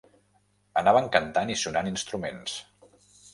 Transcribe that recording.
Anaven cantant i sonant instruments.